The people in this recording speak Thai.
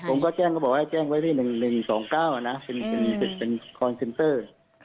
ผมก็แจ้งบอกว่าแจ้งไว้ที่๑๒๙เป็นคอนเซ็นเซอร์